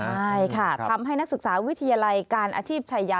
ใช่ค่ะทำให้นักศึกษาวิทยาลัยการอาชีพชายา